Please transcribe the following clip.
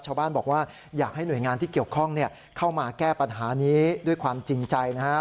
ชาวบ้านบอกว่าอยากให้หน่วยงานที่เกี่ยวข้องเข้ามาแก้ปัญหานี้ด้วยความจริงใจนะฮะ